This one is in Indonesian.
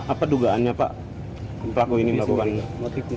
apa dugaannya pak pelaku ini melakukan motifnya